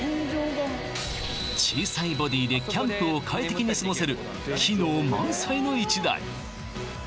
小さいボディーでキャンプを快適にすごせる機能満載の一台！